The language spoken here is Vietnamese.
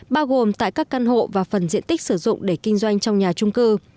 bao gồm tại các căn hộ và phần diện tích sử dụng để kinh doanh trong nhà trung cư